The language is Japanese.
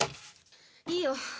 いいよ。